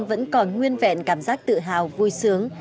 vẫn còn nguyên vẹn cảm giác tự hào vui sướng